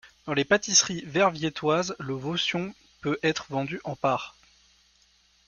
Dans les pâtisseries verviétoises, le vaution peut être vendu en parts.